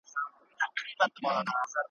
وروسته وار سو د غوايي د ښکر وهلو `